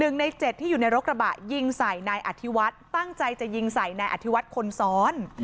หนึ่งในเจ็ดที่อยู่ในรถกระบะยิงใส่นายอธิวัฒน์ตั้งใจจะยิงใส่นายอธิวัฒน์คนซ้อน